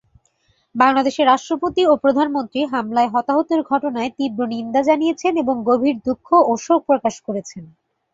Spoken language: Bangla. বাংলাদেশের রাষ্ট্রপতি ও প্রধানমন্ত্রী হামলায় হতাহতের ঘটনায় তীব্র নিন্দা জানিয়েছেন এবং গভীর দুঃখ ও শোক প্রকাশ করেছেন।